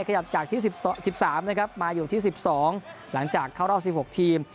ขยับจากที่๑๓นะครับมาอยู่ที่๑๒หลังจากเข้ารอบ๑๖ทีม